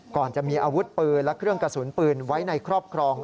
ก่อนจะมีอาวุธปืนและเครื่องกระสุนปืนไว้ในครอบครอง